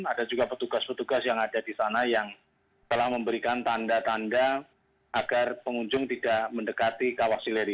ada juga petugas petugas yang ada di sana yang telah memberikan tanda tanda agar pengunjung tidak mendekati kawah sileri